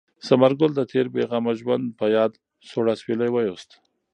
ثمر ګل د تېر بې غمه ژوند په یاد سوړ اسویلی ویوست.